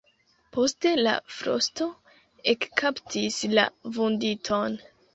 Poste la frosto ekkaptis la vunditon.